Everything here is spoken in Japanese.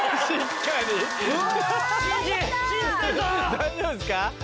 大丈夫ですか？